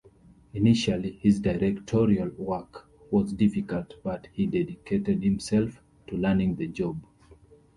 Initially his directorial work was difficult but he dedicated himself to learning the job.